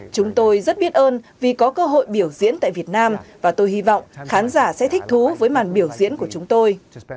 chúng tôi rất biết ơn vì có cơ hội biểu diễn tại việt nam và tôi hy vọng khán giả sẽ thích thú với màn biểu diễn của chúng tôi